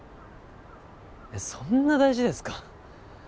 えっそんな大事ですか？